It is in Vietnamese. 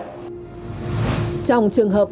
trong trường hợp người dân bỗng dưng nhận được